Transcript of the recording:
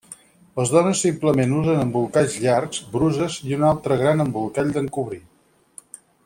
Les dones simplement usen embolcalls llargs, bruses i un altre gran embolcall d'encobrir.